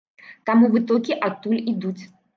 Таму вытокі адтуль ідуць.